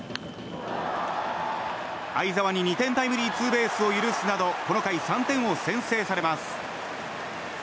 會澤に２点タイムリーツーベースを許すなどこの回、３点を先制されます。